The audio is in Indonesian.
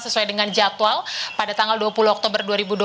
sesuai dengan jadwal pada tanggal dua puluh oktober